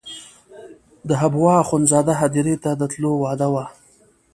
د حبوا اخندزاده هدیرې ته د تلو وعده وه.